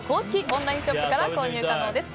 オンラインショップから購入可能です。